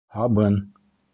Һабын.